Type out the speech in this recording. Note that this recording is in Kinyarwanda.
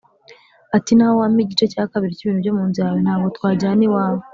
ati “Naho wampa igice cya kabiri cy’ibintu byo mu nzu yawe, ntabwo twajyana iwawe